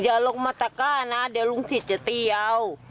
ลงมาตะก้านะเดี๋ยวลุงศิษย์จะตีเอา